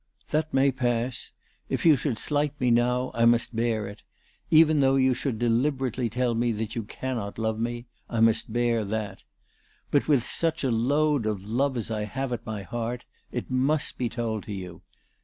" That may pass. If you should slight me now, I must bear it. Even though you should deliberately tell me that you cannot love me, I must bear that. But with such a load of love as I have at my heart, it must be told to you.